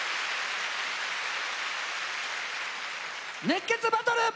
「熱血バトル」！